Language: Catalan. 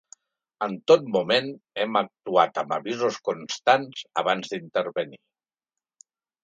En tot moment hem actuat amb avisos constants abans d’intervenir.